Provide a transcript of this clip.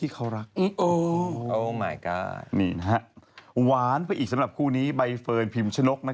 กระเทยเก่งกว่าเออแสดงความเป็นเจ้าข้าว